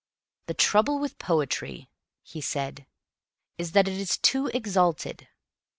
"The trouble with poetry," he said, "is that it is too exalted.